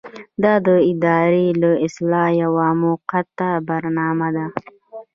دا د ادارې د اصلاح یوه موقته برنامه ده.